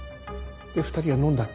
で２人は飲んだ。